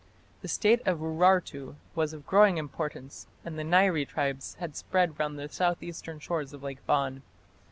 The State of Urartu was of growing importance, and the Nairi tribes had spread round the south eastern shores of Lake Van.